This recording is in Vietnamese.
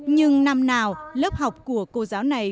nhưng năm nào lớp học của cô giáo này